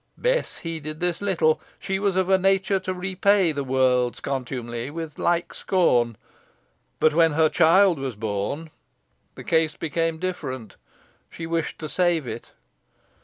Bess heeded this little. She was of a nature to repay the world's contumely with like scorn, but when her child was born the case became different. She wished to save it.